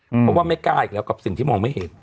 เพราะว่าไม่กล้าอีกแล้วกับสิ่งที่มองไม่เห็น